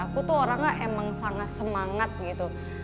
aku tuh orangnya emang sangat semangat gitu